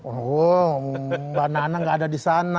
oh mbak nana gak ada di sana